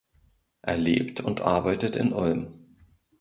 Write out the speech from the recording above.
Er lebt und arbeitet in Ulm.